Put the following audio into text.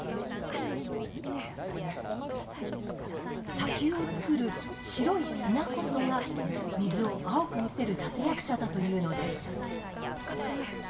砂丘をつくる白い砂こそが水を青く見せる立て役者だというのです。